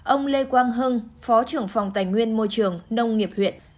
ông lê quang hưng phó trưởng phòng tài nguyên môi trường nông nghiệp huyện